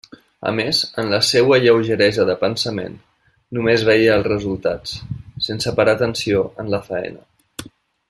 A més, en la seua lleugeresa de pensament, només veia els resultats, sense parar atenció en la faena.